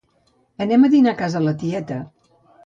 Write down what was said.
Anem a dinar a casa la tieta